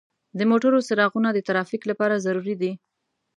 د موټرو څراغونه د ترافیک لپاره ضروري دي.